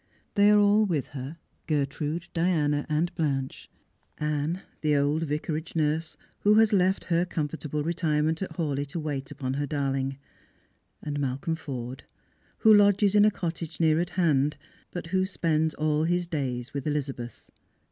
They are all with her — Gertrude, Diana, and Blanche ; Anne, the old Vicarage nurse, who has left her comfortable retirement at Ilawleigh to wait upon her darling ; and Malcolm Forde, who lodges in a cottage near at hand, but who spends all his days with EUzabeth.